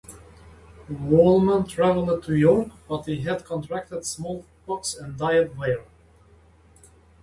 Woolman traveled to York, but he had contracted smallpox and died there.